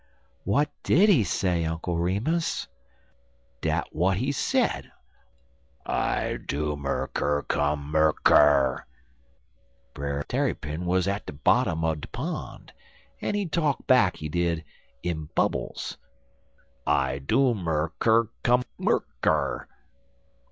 "What did he say, Uncle Remus?" "Dat w'at he said I doom er ker kum mer ker! Brer Tarrypin wuz at de bottom er de pon', en he talk back, he did, in bubbles I doom er ker kum mer ker!